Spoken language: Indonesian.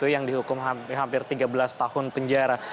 yang dihukum hampir tiga belas tahun penjara